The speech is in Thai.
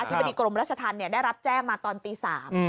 อธิบดีกรมราชธรรมน์เนี่ยได้รับแจ้งมาตอนตีสาม